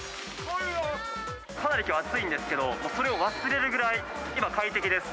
かなりきょう暑いんですけど、それを忘れるぐらい、今、快適です。